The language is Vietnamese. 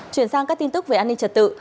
chuyển sang các tin tức về an ninh trật tự